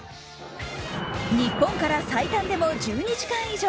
日本から最短でも１２時間以上。